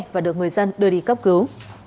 và được người dân đưa đi cấp cứu